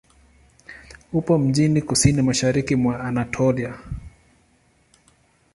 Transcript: Upo mjini kusini-mashariki mwa Anatolia.